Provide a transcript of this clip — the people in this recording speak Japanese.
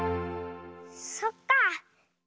そっか。